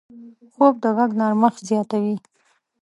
خوب د غږ نرمښت زیاتوي